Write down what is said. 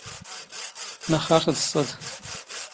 ⵎⴰⵅⵅ ⴰⵔ ⵜⴹⵚⵚⴰⴷ?